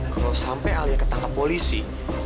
kalau sampai alia ketangkap polisi